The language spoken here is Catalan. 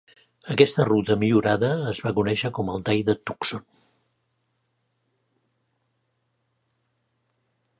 Aquesta ruta millorada es va conèixer com el Tall de Tucson.